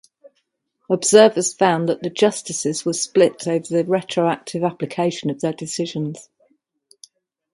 Observers found that the Justices were split over the retroactive application of their decisions.